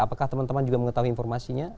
apakah teman teman juga mengetahui informasinya